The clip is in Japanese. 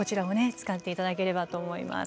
使って頂ければと思います。